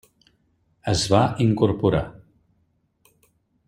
Es va incorporar.